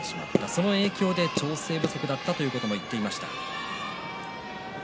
その影響で調整不足だったということを言っていました。